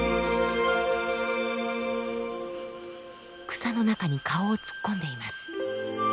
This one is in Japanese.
草の中に顔を突っ込んでいます。